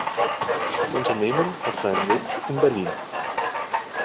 Das Unternehmen hat seinen Sitz in Berlin.